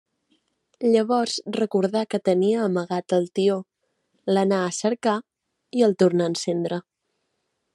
Llavors recordà que tenia amagat el tió, l'anà a cercar i el tornà a encendre.